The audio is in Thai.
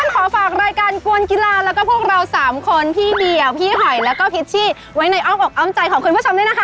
สวัสดีครับ